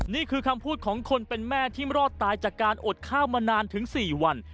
นี่คือคำพูดของคนเป็นแม่ที่รอดตายจากการอดข้าวมานานถึง๔วัน